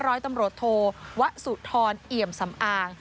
ร้อยตำรวจโทวะสุธรเอี่ยมสำอาง